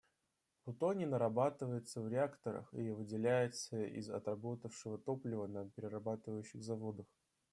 Плутоний нарабатывается в реакторах и выделяется из отработавшего топлива на перерабатывающих заводах.